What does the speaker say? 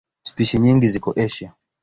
Spishi nyingi ziko Asia.